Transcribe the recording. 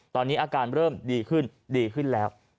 ตอนนี้อาการเริ่มดีขึ้นดีขึ้นแล้ว